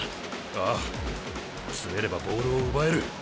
ああ詰めればボールを奪える。